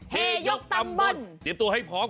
เฮ่ยกตำบลเตรียมตัวให้พร้อม